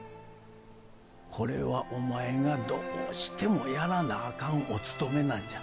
これはお前がどうしてもやらなあかんおつとめなんじゃ。